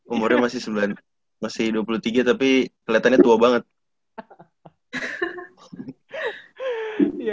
umurnya masih dua puluh tiga tapi kelihatannya tua banget